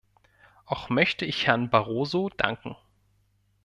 Auch möchte ich Herrn Barroso danken.